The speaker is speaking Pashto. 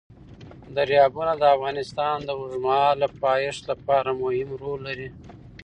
دریابونه د افغانستان د اوږدمهاله پایښت لپاره مهم رول لري.